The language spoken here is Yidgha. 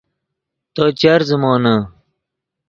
تو چر زیمونے